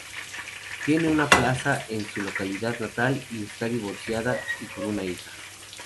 Tiene una plaza en su localidad natal, y está divorciada y con una hija.